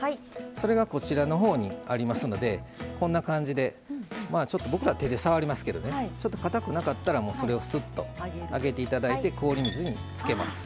それがこちらのほうにありますのでこんな感じでまあちょっと僕らは手で触りますけどねちょっとかたくなかったらもうそれをスッとあげて頂いて氷水につけます。